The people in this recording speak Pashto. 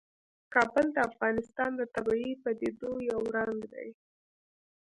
کابل د افغانستان د طبیعي پدیدو یو رنګ دی.